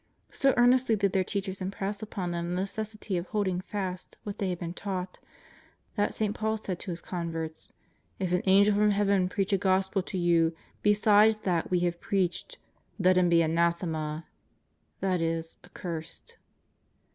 So earnestly did their teachers impress upon them the necessity of holding fast what they had been taught, that St. Paul said to his converts :" If an angel from Heaven preach a gospel to you besides that we have preached let him be anathema ;"* that is, accursed.